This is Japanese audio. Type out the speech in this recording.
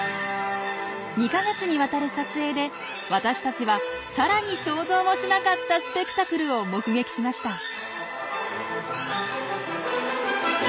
２か月にわたる撮影で私たちはさらに想像もしなかったスペクタクルを目撃しました。